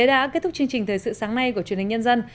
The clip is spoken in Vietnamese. đã kết thúc chương trình thời sự sáng nay của truyền hình nhân dân